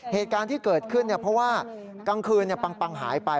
เหตุการณ์ที่เกิดขึ้นเพราะว่ากลางคืนปังหายไป